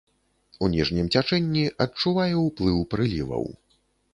У ніжнім цячэнні адчувае ўплыў прыліваў.